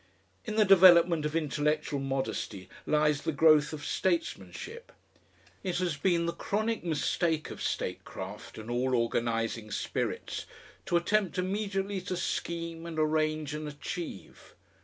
In the development of intellectual modesty lies the growth of statesmanship. It has been the chronic mistake of statecraft and all organising spirits to attempt immediately to scheme and arrange and achieve.